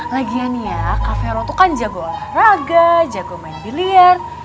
lagian ya kak vero kan jago olahraga jago main bilir